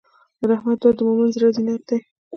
د رحمت دعا د مؤمن زړۀ زینت دی.